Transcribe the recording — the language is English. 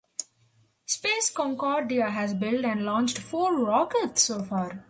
Space Concordia has build and launched four rockets so far.